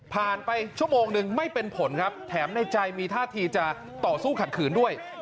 ไปชั่วโมงนึงไม่เป็นผลครับแถมในใจมีท่าทีจะต่อสู้ขัดขืนด้วย